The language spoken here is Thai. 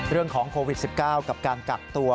เรื่องของโควิด๑๙กับการกักตัว